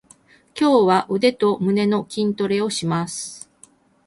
今日は腕と胸の筋トレをします。